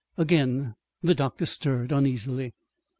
Again the doctor stirred uneasily.